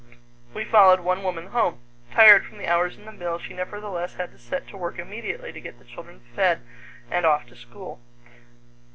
We followed one woman home. Tired from the hours in the mill, she nevertheless had to set to work immediately to get the children fed and off to school.